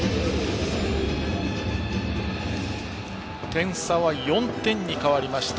点差は４点に変わりました